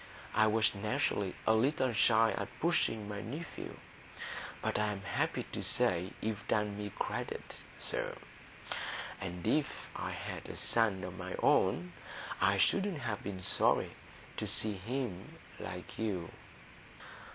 I was naturally a little shy at pushing my nephew, but I'm happy to say you've done me credit, sir; and if I'd had a son o' my own, I shouldn't have been sorry to see him like you."